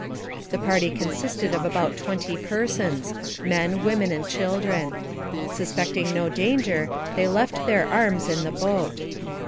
The party consisted of about twenty persons, men, women, and children. Suspecting no danger, they left their arms in the boat.